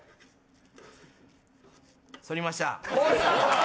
そりました。